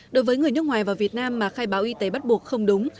đối với người nước ngoài vào việt nam mà khai báo y tế bắt buộc không đúng